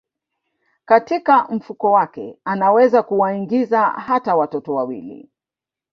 Katika mfuko wake anaweza kuwaingiza hata watoto wawili